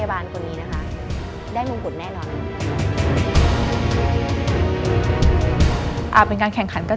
รายการต่อไปนี้เหมาะสำหรับผู้ชมที่มีอายุ๑๓ปีควรได้รับคำแนะนำ